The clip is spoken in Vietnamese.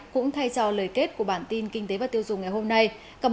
cũng thay cho lời kết của bản tin kinh tế và tiêu dùng ngày hôm nay